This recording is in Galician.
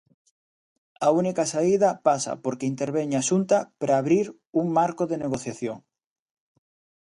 A única saída pasa porque interveña a Xunta para abrir un marco de negociación.